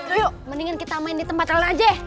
yuk mendingan kita main di tempat lain aja